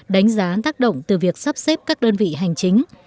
đánh giá tác động từ việc sắp xếp các đơn vị hành chính